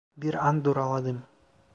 Bir an duraladım.